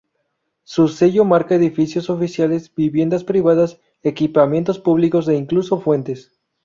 Su sello marca edificios oficiales, viviendas privadas, equipamientos públicos e incluso fuentes.